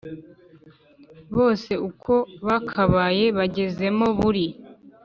base uko bakabaye bagezemo buri